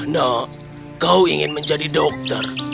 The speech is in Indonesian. nak kau ingin menjadi dokter